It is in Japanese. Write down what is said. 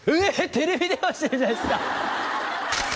テレビ電話してるじゃないですか！